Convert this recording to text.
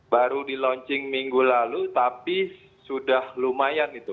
baru di launching minggu lalu tapi sudah lumayan itu